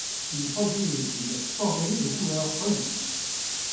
Ils produisent une sporée de couleur olive.